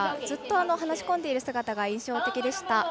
ずっと話し込んでいる姿が印象的でした。